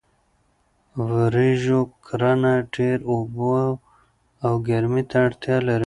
د وریژو کرنه ډیرو اوبو او ګرمۍ ته اړتیا لري.